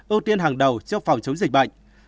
ưu tiên hàng đầu cho phòng chống dịch bệnh